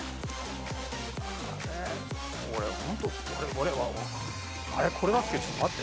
俺ホントあれこれだっけちょっと待って。